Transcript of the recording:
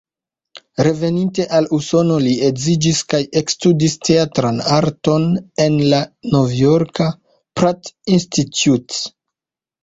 Reveninte al Usono li edziĝis kaj ekstudis teatran arton en la Novjorka "Pratt Institute".